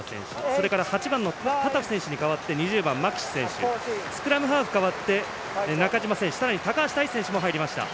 それから８番のタタフ選手に代わって２０番、マキシ選手スクラムハーフ代わって中島選手と高橋汰地選手も入りました。